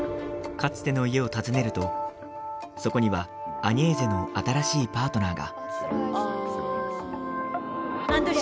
かつての家を訪ねると、そこにはアニェーゼの新しいパートナーが。